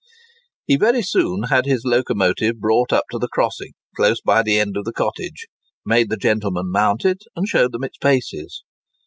He very soon had his locomotive brought up to the crossing close by the end of the cottage,—made the gentlemen mount it, and showed them its paces.